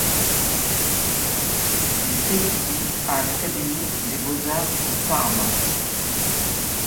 Il étudie à l'Académie des beaux-arts de Parme.